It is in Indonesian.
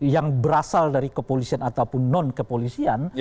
yang berasal dari kepolisian ataupun non kepolisian